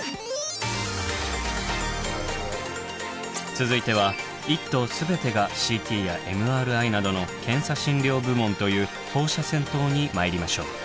続いては一棟全てがＣＴやＭＲＩなどの検査診療部門という放射線棟に参りましょう。